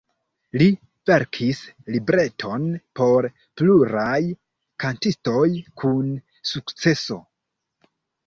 Li verkis libreton por pluraj kantistoj kun sukceso.